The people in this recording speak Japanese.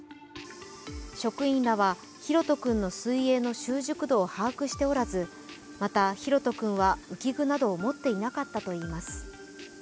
職員らは大翔君の水泳の習熟度を把握しておらず、また、大翔君は浮き具などを持っていなかったといいます。